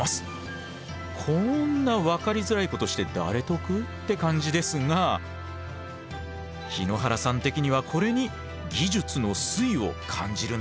こんな分かりづらいことして誰得？って感じですが日野原さん的にはこれに技術の粋を感じるんだとか。